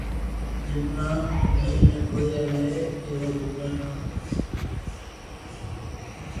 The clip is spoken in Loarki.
جملا ھمج مي ڪوئي َوي ڪيوا جمللا ٺاو